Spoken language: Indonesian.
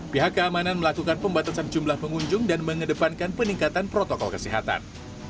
pihak keamanan melakukan pembatasan jumlah pengunjung dan mengedepankan peningkatan protokol kesehatan